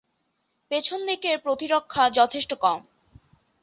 পেছন দিকের প্রতিরক্ষা যথেষ্ট কম।